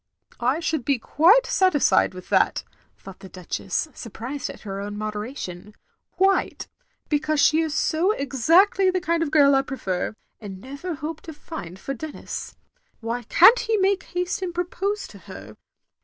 " I shotdd be quite satisfied with that,' ' thought the Duchess, surprised at her own moderation, "qtiite — ^because she is so exactly the kind of giri I prefer, and never hoped to find, for Denis. Why can't he make haste and propose to her?